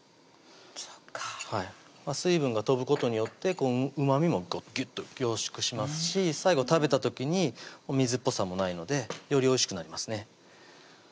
そっか水分が飛ぶことによってうまみもぎゅっと凝縮しますし最後食べた時に水っぽさもないのでよりおいしくなりますね